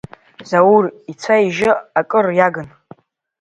Заур ицәа-ижьы акыр иагын.